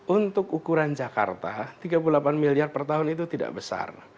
untuk ukuran jakarta tiga puluh delapan miliar per tahun itu tidak besar